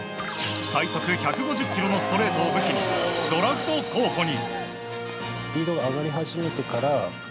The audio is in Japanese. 最速１５０キロのストレートを武器にドラフト候補に。